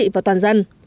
và toàn dân